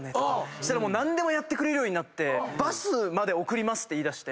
そしたら何でもやってくれるようになってバスまで送るって言いだして。